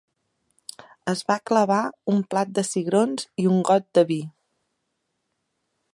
Es va clavar un plat de cigrons i un got de vi.